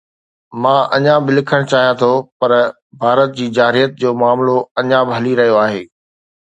مان اڃا به لکڻ چاهيان ٿو، پر ڀارت جي جارحيت جو معاملو اڃا به هلي رهيو آهي.